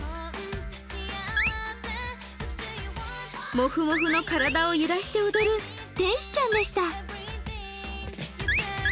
もふもふの体を揺らして踊る天使ちゃんでした。